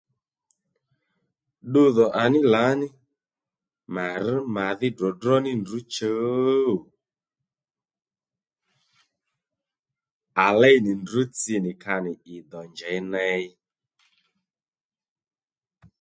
Ddudhò à ní lǎní mà rř màdhí dròdró ní ndrǔ chuw? À léy nì ndrǔ tsi nì ka nì ì dò njěy ney